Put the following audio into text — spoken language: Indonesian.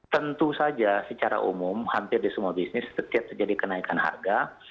tentu saja secara umum hampir di semua bisnis setiap terjadi kenaikan harga